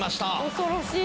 恐ろしい。